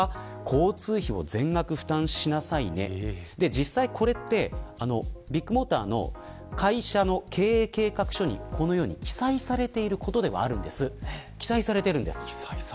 実際これってビッグモーターの会社の経営計画書にこのように記載されていることではあるんです。